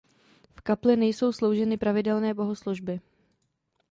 V kapli nejsou slouženy pravidelné bohoslužby.